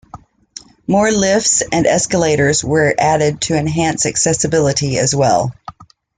More lifts and escalators were added to enhance accessibility as well.